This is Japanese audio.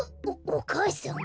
おお母さん？